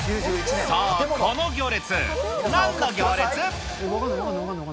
さあこの行列、なんの行列？